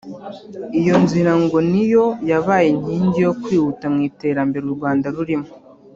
Iyo nzira ngo ni yo yabaye inkingi yo kwihuta mu iterambere u Rwanda rurimo